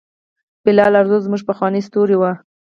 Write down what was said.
بلال ارزو زموږ پخوانی ستوری و.